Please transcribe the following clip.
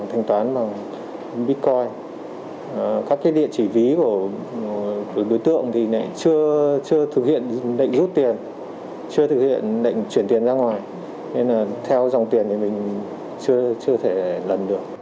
hoặc decent mạng tin kết quả